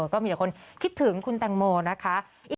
ก็มีแต่คนคิดถึงคุณแตงโมนะคะ